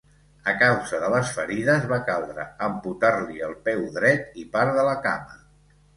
A causa de les ferides va caldre amputar-li el peu dret i part de la cama.